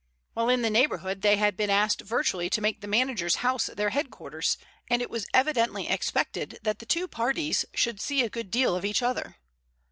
While in the neighborhood they had been asked virtually to make the manager's house their headquarters, and it was evidently expected that the two parties should see a good deal of each other.